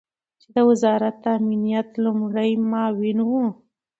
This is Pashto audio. چې د وزارت امنیت لومړی معاون ؤ